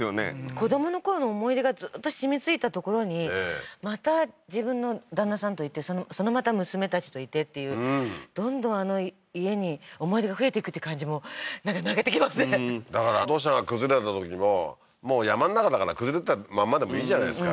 子どものころの思い出がずっと染みついた所にまた自分の旦那さんといてそのまた娘たちといてっていうどんどんあの家に思い出が増えてくって感じもなんか泣けてきますねだから土砂が崩れたときももう山の中だから崩れたまんまでもいいじゃないですか